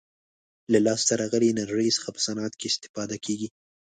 له لاسته راغلې انرژي څخه په صنعت کې استفاده کیږي.